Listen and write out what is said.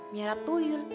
mira tuh yul